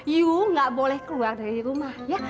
you gak boleh keluar dari rumah ya